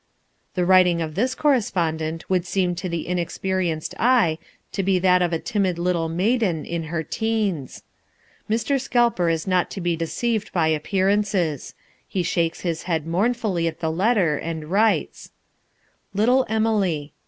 The writing of this correspondent would seem to the inexperienced eye to be that of a timid little maiden in her teens. Mr. Scalper is not to be deceived by appearances. He shakes his head mournfully at the letter and writes: "Little Emily.